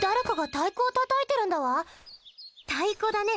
太鼓だね。